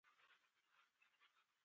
شېرګل وويل زه دې خوښوم.